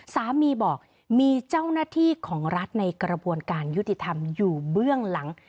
สามีบอกมีเจ้าหน้าที่ของรัฐในกระบวนการยุติธรรมอยู่เบื้องหลัง